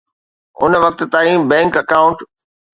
ان وقت تائين bank account